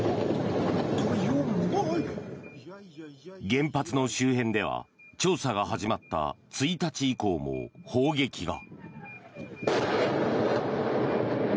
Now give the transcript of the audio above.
原発の周辺では調査が始まった１日以降も砲撃が。